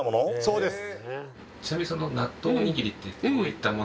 そうです。